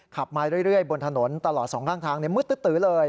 ขับมาเรื่อยบนถนนตลอดสองข้างทางมืดตื้อเลย